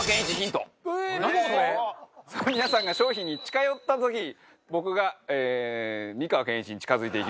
皆さんが商品に近寄った時僕が美川憲一に近付いていきます。